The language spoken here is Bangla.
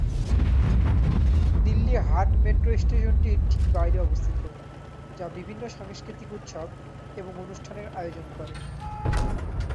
দিল্লি হাট মেট্রো স্টেশনটির ঠিক বাইরে অবস্থিত, যা বিভিন্ন সাংস্কৃতিক উৎসব এবং অনুষ্ঠানের আয়োজন করে।